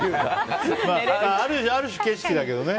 ある種、景色だけどね。